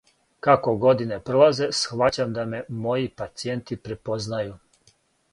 "Како године пролазе, схваћам да ме моји "пацијенти" препознају."